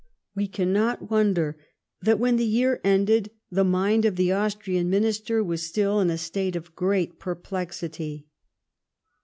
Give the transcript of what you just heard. We cannot wonder that when the year ended, the mind of the Austrian Minister was still in a state of great perplexity.